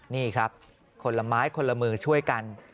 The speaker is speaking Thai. นี่ครับคนละไม้คนละมือช่วยกัน